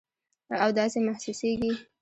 او داسې محسوسیږي